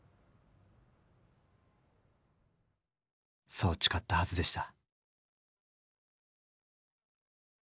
そう誓ったはずでした。